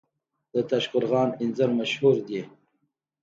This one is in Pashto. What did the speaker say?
د تاشقرغان انځر مشهور دي